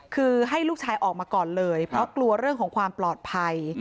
คือให้ลูกชายออกมาก่อนเลยเพราะกลัวเรื่องของความปลอดภัย